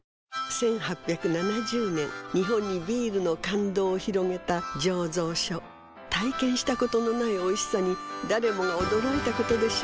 １８７０年日本にビールの感動を広げた醸造所体験したことのないおいしさに誰もが驚いたことでしょう